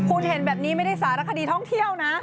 คุณเห็นแบบนี้ไม่ได้สารคดีท่องเที่ยวนะ